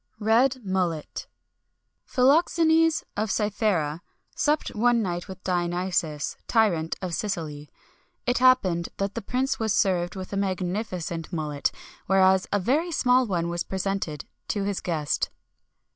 [XXI 43] RED MULLET. Philoxenes, of Cythera, supped one night with Dionysius, tyrant of Sicily. It happened that the prince was served with a magnificent mullet, whereas a very small one was presented to his guest.